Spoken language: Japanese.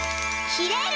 「きれる」！